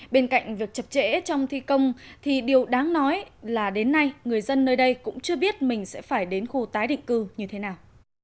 bên cạnh việc chập trễ trong thi công thì điều đáng nói là đến nay người dân nơi đây cũng chưa biết mình sẽ phải đến khu tái định cư như thế nào